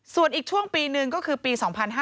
ส่วนอีกช่วงปีหนึ่งก็คือปี๒๕๕๙